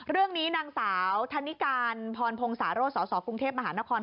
เรื่องนี้นางสาวธนิการพรพงศาโรสสกรุงเทพมหานคร